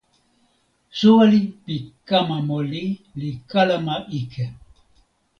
soweli pi kama moli li kalama ike.